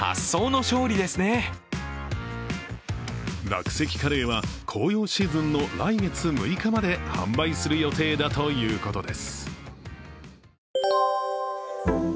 落石カレーは紅葉シーズンの来月６日まで販売する予定だということです。